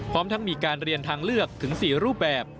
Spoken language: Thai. พร้อมทั้งมีการเรียนทางเลือกถึง๔รูปแบบ